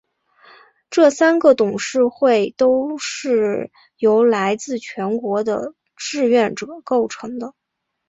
这三个董事会都是由来自全国的志愿者构成的。